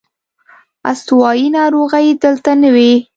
استوايي ناروغۍ دلته نه وې.